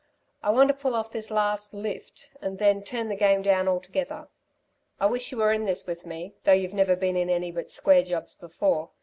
I want to pull off this last 'lift' and then turn the game down altogether. I wish you were in this with me though you've never been in any but square jobs before.